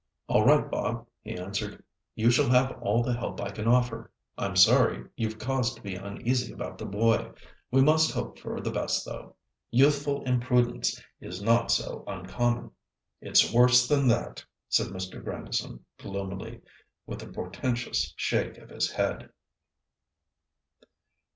"All right, Bob," he answered. "You shall have all the help I can offer. I'm sorry you've cause to be uneasy about the boy. We must hope for the best though. Youthful imprudence is not so uncommon." "It's worse than that," said Mr. Grandison, gloomily—with a portentous shake of his head.